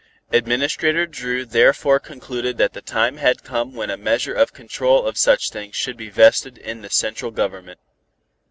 Administrator Dru therefore concluded that the time had come when a measure of control of such things should be vested in the Central Government.